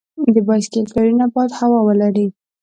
د بایسکل ټایرونه باید هوا ولري.